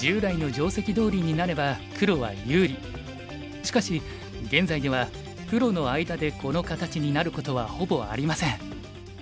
しかし現在ではプロの間でこの形になることはほぼありません。